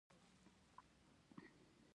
د پکتیکا په اومنه کې د څه شي نښې دي؟